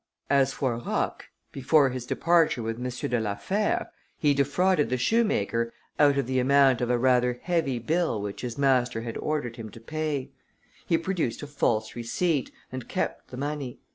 As for Roch, before his departure with M. de la Fère, he defrauded the shoemaker out of the amount of a rather heavy bill which his master had ordered him to pay. He produced a false receipt, and kept the money.